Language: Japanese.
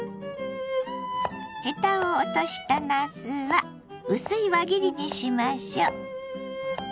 ヘタを落としたなすは薄い輪切りにしましょう。